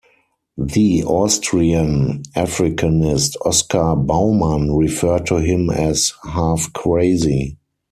The Austrian Africanist Oscar Baumann referred to him as "half crazy".